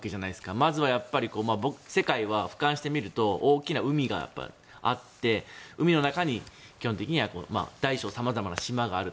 まずは世界は俯瞰して見ると大きな海があって海の中に基本的には大小様々な島があると。